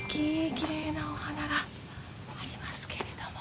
きれいなお花がありますけれども。